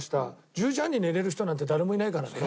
１０時半に寝られる人なんて誰もいないからね。